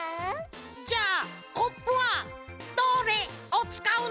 じゃあコップはドレをつかうの？